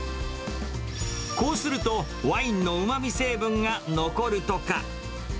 こうすると、ワインのうまみ成分が残るとか。